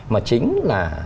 mà chính là